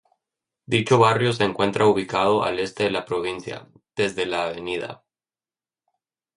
Dicho Barrio se encuentra ubicado al Este de la provincia, desde la Av.